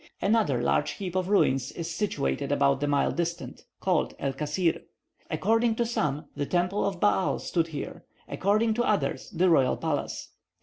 Another large heap of ruins is situated about a mile distant, called El Kasir. According to some, the temple of Baal stood here, according to others the royal palace.